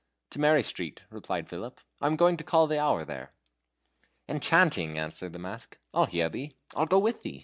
"To Mary Street," replied Philip. "I am going to call the hour there." "Enchanting!" answered the mask. "I'll hear thee: I'll go with thee.